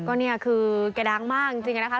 ก็เนี่ยคือแกดังมากจริงนะคะ